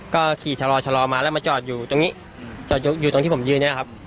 ก็ขี่ชะลอชะลอมาแล้วมาจอดอยู่ตรงนี้จอดอยู่ตรงที่ผมยืนเนี่ยครับ